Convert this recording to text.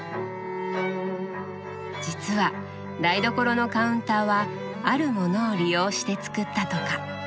実は台所のカウンターはあるものを利用して作ったとか。